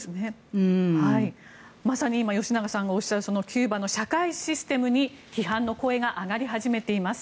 まさに今吉永さんがおっしゃるキューバの社会システムに批判の声が上がり始めています。